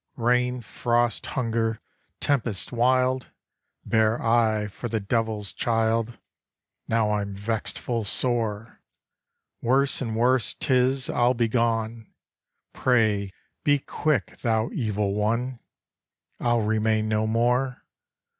Rain, frost, hunger, tempests wild, Bear I for the devil's child, Now I'm vexed full sore. Worse and worse 'tis! I'll begone. Pray be quick, thou Evil One! I'll remain no more.